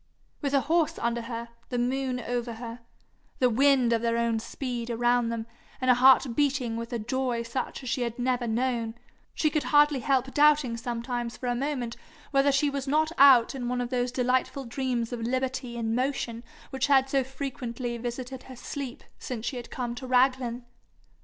With her horse under her, the moon over her, "the wind of their own speed" around them, and her heart beating with a joy such as she had never known, she could hardly help doubting sometimes for a moment whether she was not out in one of those delightful dreams of liberty and motion which had so frequently visited her sleep since she came to Raglan.